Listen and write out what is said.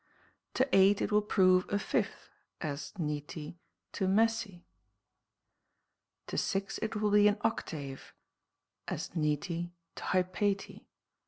To eight it will prove a fifth, as nete to mese. To six it will be an octave, as nete to hypate.